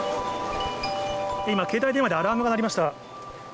今、携帯電話でアラームが鳴りました。